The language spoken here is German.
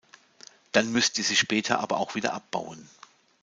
Dann müsst ihr sie später aber auch wieder abbauen.